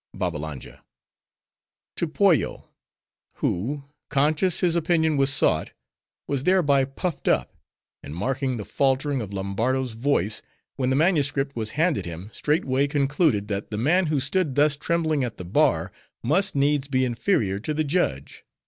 BABBALANJA—To Pollo; who, conscious his opinion was sought, was thereby puffed up; and marking the faltering of Lombardo's voice, when the manuscript was handed him, straightway concluded, that the man who stood thus trembling at the bar, must needs be inferior to the judge.